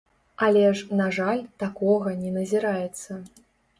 Але ж, на жаль, такога не назіраецца.